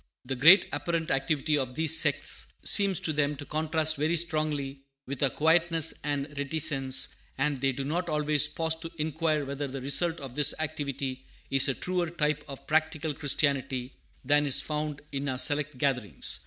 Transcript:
The great apparent activity of these sects seems to them to contrast very strongly with our quietness and reticence; and they do not always pause to inquire whether the result of this activity is a truer type of practical Christianity than is found in our select gatherings.